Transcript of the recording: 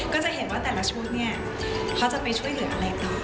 ก็จะเห็นว่าแต่ละชุดเนี่ยเขาจะไปช่วยเหลืออะไรต่อ